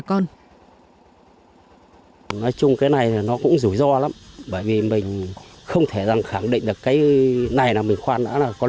có được nguồn nước tưới cho bà con